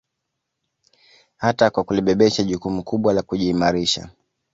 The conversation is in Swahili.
Hata kwa kulibebesha jukumu kubwa la kujiimarisha